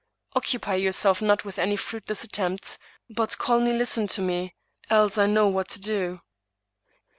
Occupy yourself not with any fruitless attempts, but calmly listen to me, else I know what to do."